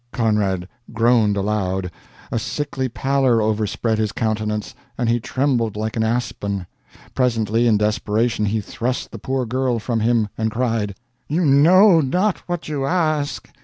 Conrad groaned aloud. A sickly pallor overspread his countenance, and he trembled like an aspen. Presently, in desperation, he thrust the poor girl from him, and cried: "You know not what you ask!